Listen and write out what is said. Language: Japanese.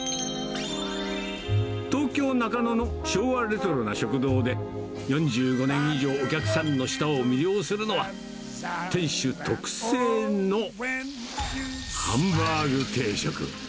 東京・中野の昭和レトロな食堂で、４５年以上お客さんの舌を魅了するのは、店主特製のハンバーグ定食。